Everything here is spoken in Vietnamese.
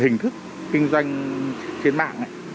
hình thức kinh doanh trên mạng